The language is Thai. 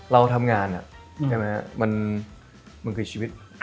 เราทำงานอะมันคือชีวิต